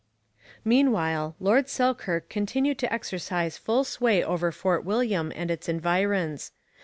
Meanwhile, Lord Selkirk continued to exercise full sway over Fort William and its environs.